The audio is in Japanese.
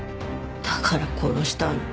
だから殺したの。